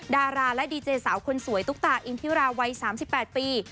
ดาราและดีเจสาวคนสวยตุ๊กตาอินทิราวัย๓๘ปี